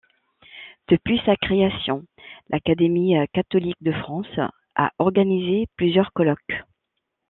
Depuis sa création, l’Académie catholique de France a organisé plusieurs colloques.